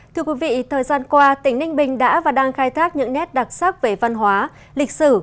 thưa quý vị thời gian qua tỉnh ninh bình đã và đang khai thác những nét đặc sắc về văn hóa lịch sử